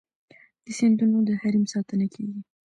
د سیندونو د حریم ساتنه کیږي؟